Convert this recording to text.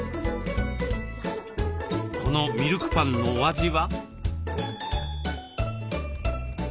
このミルクパンのお味は？